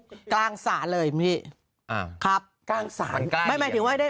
โทษแห่คุกกลางศาสตร์เลยพี่ครับกลางศาสตร์ไม่ไม่ถึงว่าไม่ได้